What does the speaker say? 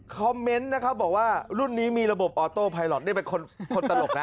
คอมเมนต์นะครับบอกว่ารุ่นนี้มีระบบออโต้ไพลอทนี่เป็นคนตลกนะ